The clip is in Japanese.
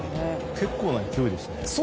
結構な勢いですね。